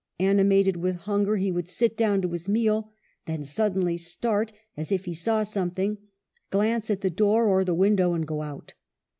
Animated with hunger, he would sit down to his meal, then suddenly start, as if he saw something, glance at the door or the window and go out.